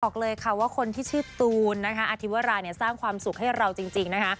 บอกเลยค่ะว่าคนที่ชื่อตูนนะคะอธิวราเนี่ยสร้างความสุขให้เราจริงนะคะ